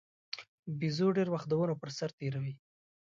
بیزو ډېر وخت د ونو پر سر تېروي.